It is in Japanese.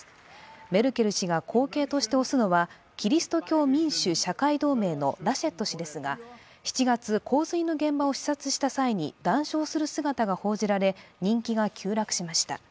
メルケル氏が後継として推すのはキリスト教民主・社会同盟のラシェット氏ですが、７月、洪水の現場を視察した際に談笑する姿が報じられ、人気が急落しました。